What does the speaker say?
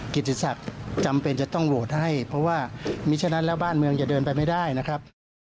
กิจศักดิ์จำเป็นจะต้องโหวตให้เพราะว่ามีฉะนั้นแล้วบ้านเมืองจะเดินไปไม่ได้นะครับ